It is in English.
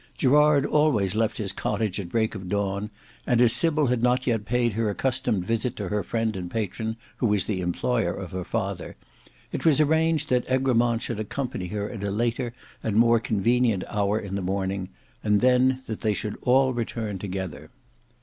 Gerard always left his cottage at break of dawn, and as Sybil had not yet paid her accustomed visit to her friend and patron, who was the employer of her father, it was arranged that Egremont should accompany her at a later and more convenient hour in the morning, and then that they should all return together.